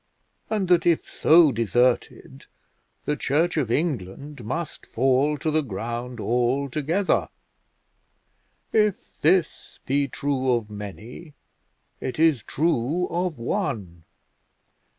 and, that if so deserted, the Church of England must fall to the ground altogether? If this be true of many, it is true of one.